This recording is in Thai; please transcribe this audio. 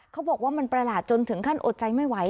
เขาบอกว่ามันประหลาดจนถึงขั้นอดใจไม่ไหว